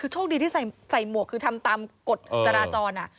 คือโชคดีที่ใส่หมวกคือทำตามกฎจราจร